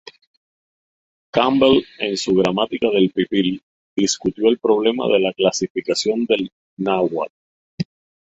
Campbell en su gramática del Pipil discutió el problema de la clasificación del náhuat.